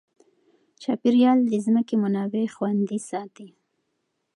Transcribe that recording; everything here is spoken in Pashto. چاپیریال د ځمکې منابع خوندي ساتي.